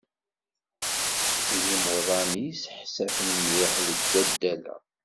d yimuḍan i yesḥassfen mliḥ seg waddad-a.